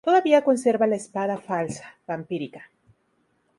Todavía conserva la espada falsa, vampírica.